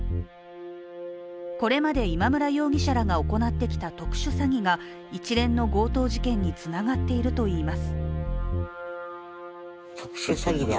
これまで今村容疑者らが行ってきた特殊詐欺が一連の強盗事件につながっているといいます。